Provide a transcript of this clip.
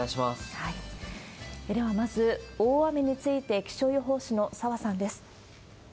では、まず大雨について、気象予報士の澤さんです。